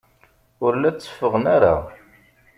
Ur la tteffɣen ara.